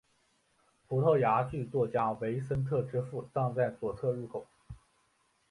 葡萄牙剧作家维森特之父葬在左侧入口。